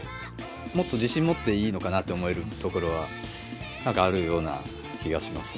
もっと自信持っていいのかなって思えるところは何かあるような気がしますね。